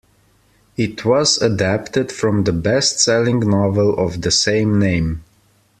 It was adapted from the bestselling novel of the same name.